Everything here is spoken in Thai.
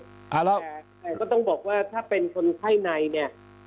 แต่ก็ต้องบอกว่าถ้าเป็นคนไข้ในเนี่ย